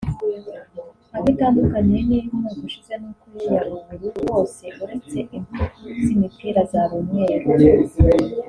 Aho itandukaniye n’iy’umwaka ushize ni uko yo yari ubururu hose uretse intugu z’imipira zari umweru